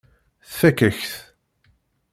Tfakk-ak-t.